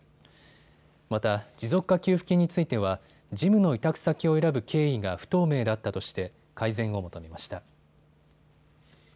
また、持続化給付金については事務の委託先を選ぶ経緯が不透明だったとして改善を求めました。